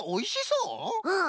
うん。